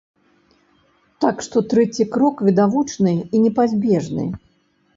Так што трэці крок відавочны і непазбежны.